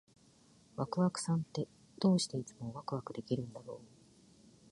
ワクワクさんって、どうしていつもワクワクできるんだろう？